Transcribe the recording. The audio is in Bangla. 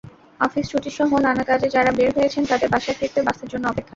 অফিস ছুটিসহ নানা কাজে যাঁরা বের হয়েছেন তাঁদের বাসায় ফিরতে বাসের জন্য অপেক্ষা।